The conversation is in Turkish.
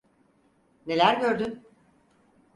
Neler gördün?